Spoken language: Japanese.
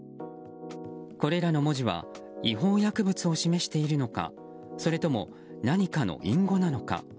これらの文字は違法薬物を示しているのかそれとも何かの隠語なのか。